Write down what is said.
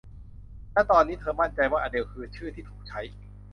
และตอนนี้เธอมั่นใจว่าอเดลคือชื่อที่ถูกใช้